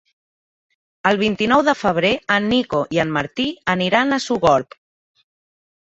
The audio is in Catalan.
El vint-i-nou de febrer en Nico i en Martí aniran a Sogorb.